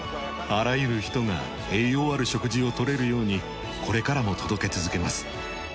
あらゆる人が栄養ある食事を取れるようにこれからも届け続けます。